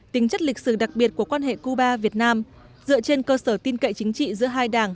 tính chất lịch sử đặc biệt của quan hệ cuba việt nam dựa trên cơ sở tin cậy chính trị giữa hai đảng